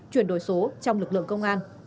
chuyển đổi số trong lực lượng công an